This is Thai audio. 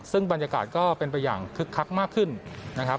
ซึ่งบรรยากาศก็เป็นไปอย่างคึกคักมากขึ้นนะครับ